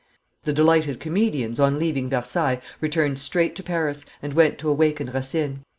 The delighted comedians, on leaving Versailles, returned straight to Paris, and went to awaken Racine.